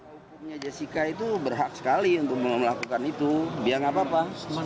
hukumnya jessica itu berhak sekali untuk melakukan itu biar nggak apa apa